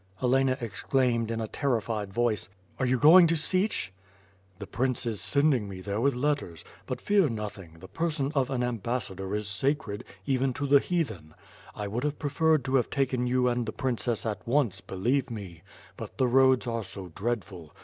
Helena exclaimed in a terrified voice: "Are you going to Sich?'' "The prince is sending me there with letters; but fear noth ing, the person of an ambassador is sacred, even to the heathen. I would have preferred to have taken you and the princess at once, believe me, but the roads are so dreadful.